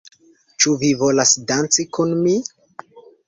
Ĉu vi volas danci kun mi?